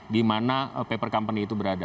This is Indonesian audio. di mana paper company itu berada